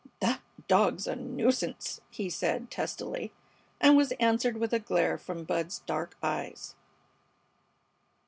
"That dog's a nuisance!" he said, testily, and was answered with a glare from Bud's dark eyes.